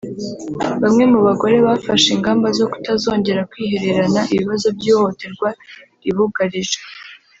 Bamwe mu bagore bafashe ingamba zo kutazongera kwihererana ibibazo by’ihohoterwa ribugarije